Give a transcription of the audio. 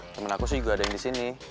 temen aku sih juga ada yang disini